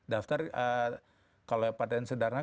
daftar kalau parten sederhana